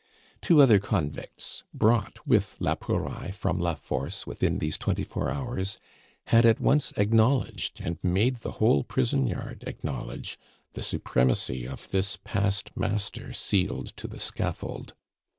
Two other convicts, brought with la Pouraille from La Force within these twenty four hours, had at once acknowledged and made the whole prison yard acknowledge the supremacy of this past master sealed to the scaffold.